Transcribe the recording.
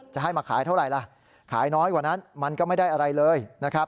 จะให้มาขายเท่าไหร่ล่ะขายน้อยกว่านั้นมันก็ไม่ได้อะไรเลยนะครับ